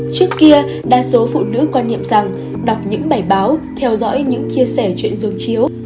trước kia đa số phụ nữ quan niệm rằng đọc những bài báo theo dõi những chia sẻ chuyện dồn chiếu